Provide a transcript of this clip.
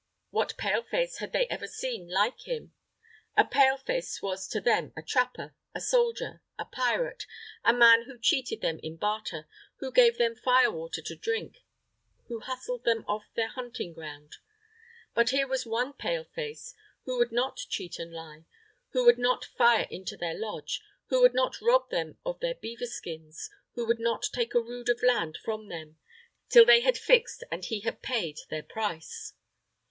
What Pale face had they ever seen like him? A Pale face was to them a trapper, a soldier, a pirate, a man who cheated them in barter, who gave them fire water to drink, who hustled them off their hunting ground. But here was one Pale face, who would not cheat and lie; who would not fire into their lodge; who would not rob them of their beaver skins; who would not take a rood of land from them, till they had fixed and he had paid their price.